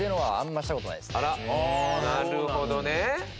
なるほどね。